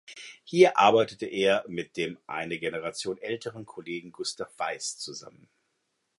Hier arbeitete er mit dem eine Generation älteren Kollegen Gustav Weiss zusammen.